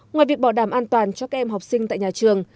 ngoài việc bảo đảm an toàn cho các em học sinh tại nhà trường